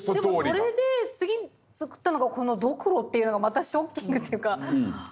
でもそれで次作ったのがこのドクロっていうのがまたショッキングっていうかねえ。